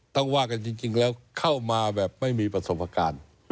ว่ากันจริงแล้วเข้ามาแบบไม่มีประสบการณ์